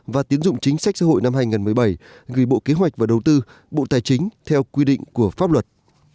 và tiến dụng chính sách xã hội năm hai nghìn một mươi bảy gửi bộ kế hoạch và đầu tư bộ tài chính theo quy định của pháp luật